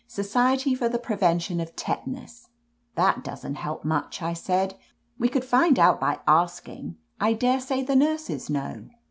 "Society for the Prevention of Tetanus." "That doesn't help much," I said. "We could find out by asking ; I daresay the nurses know."